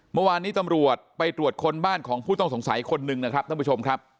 เมื่อวานนี้ตำรวจไปตรวจคนบ้านของผู้ต้องสงสัยคนหนึ่งนะครับท่านผู้ชมครับ